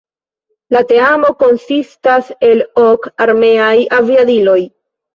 La teamo konsistas el ok armeaj aviadiloj.